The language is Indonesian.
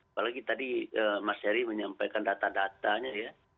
apalagi tadi mas heri menyampaikan data datanya ya